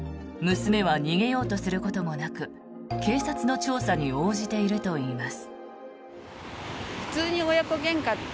娘は逃げようとすることもなく警察の調査に応じているといいます。